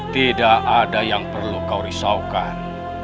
tidak ada yang perlu kau risaukan